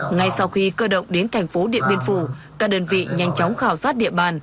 ngay sau khi cơ động đến thành phố điện biên phủ các đơn vị nhanh chóng khảo sát địa bàn